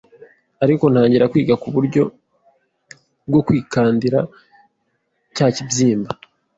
ariko ntangira kwiga uburyo bwo kwikandira cya kibyimba